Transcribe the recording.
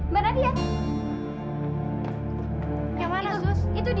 jangan andare manhai bezanda kayak ashley